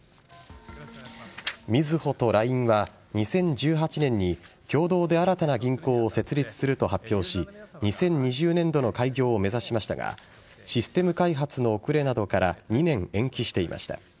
みずほとＬＩＮＥは２０１８年に共同で新たな銀行を設立すると発表し２０２０年度の開業を目指しましたがシステム開発の遅れなどから２年延期していました。